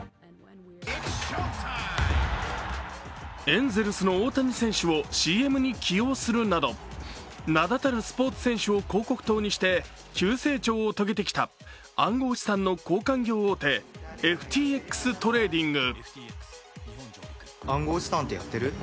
エンゼルスの大谷選手をＣＭに起用するなど名だたるスポーツ選手を広告塔にして急成長を遂げてきた暗号資産の交換業大手ＦＴＸトレーディング。